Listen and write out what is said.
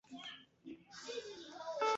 他的母亲是威尔士王妃奥古斯塔公主。